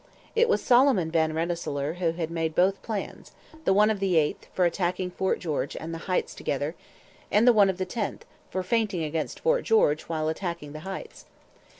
It was Solomon Van Rensselaer who had made both plans, the one of the 8th, for attacking Fort George and the Heights together, and the one of the 10th, for feinting against Fort George while attacking the Heights.